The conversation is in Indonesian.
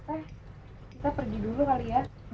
eh kita pergi dulu kali ya